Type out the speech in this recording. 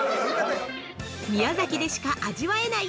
◆宮崎でしか味わえない